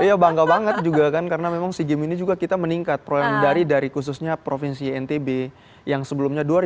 iya bangga banget juga kan karena memang si game ini juga kita meningkat dari khususnya provinsi ntb